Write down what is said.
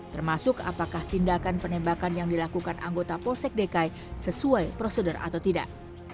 termasuk apakah tindakan penembakan yang dilakukan anggota polsek dekai sesuai prosedur atau tidak